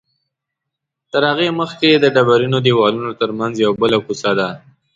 تر هغې مخکې د ډبرینو دیوالونو تر منځ یوه بله کوڅه ده.